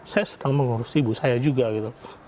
saya sedang mengurusi ibu saya juga gitu